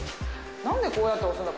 何でこうやって押すんだ。